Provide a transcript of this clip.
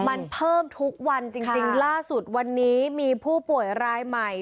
มันเพิ่มทุกวันจริงล่าสุดวันนี้มีผู้ป่วยรายใหม่